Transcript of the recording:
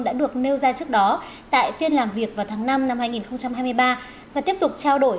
đã được nêu ra trước đó tại phiên làm việc vào tháng năm năm hai nghìn hai mươi ba và tiếp tục trao đổi